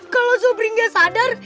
kalau sobri gak sadar